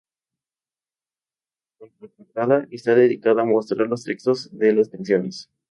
La contraportada está dedicada a mostrar los textos de las canciones.